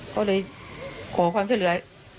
เขาเลยโขความเท่าหรือ